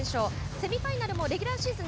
セミファイナルもレギュラーシーズン